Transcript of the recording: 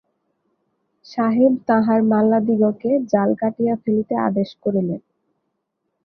সাহেব তাঁহার মাল্লাদিগকে জাল কাটিয়া ফেলিতে আদেশ করিলেন।